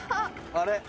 あれ？